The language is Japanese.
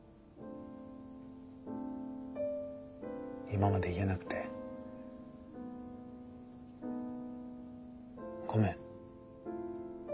今まで言えなくてごめん。